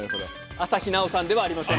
朝日奈央さんではありません。